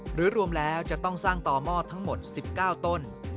รวมแล้วจะต้องสร้างต่อหม้อทั้งหมด๑๙ต้น